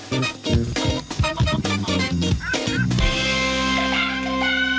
โปรดติดตามตอนต่อไป